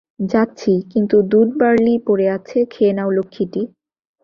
যাচ্ছি, কিন্তু দুধ বার্লি পড়ে আছে, খেয়ে নাও লক্ষ্মীটি।